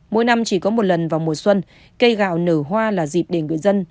mỗi năm chỉ có một lần vào mùa xuân cây gạo nở hoa là dịp để người dân